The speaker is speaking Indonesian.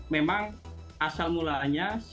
memang asal mulaannya